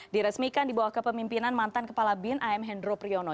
diresmikan dibawah kepemimpinan mantan kepala bin am hendro priyono